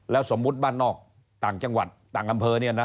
แล้วสมมุติบ้านนอกต่างจังหวัดต่างอำเภอเนี่ยนะ